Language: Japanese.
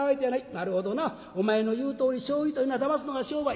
なるほどなお前の言うとおり娼妓というのはだますのが商売。